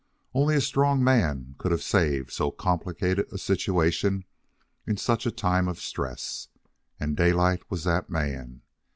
Only a strong man could have saved so complicated a situation in such time of stress, and Daylight was that man.